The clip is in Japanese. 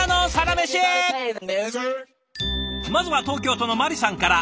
まずは東京都のまりさんから。